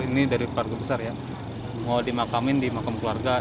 ini dari keluarga besar ya mau dimakamin dimakam keluarga